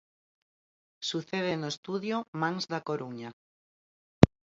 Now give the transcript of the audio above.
Sucede no estudio Mans da Coruña.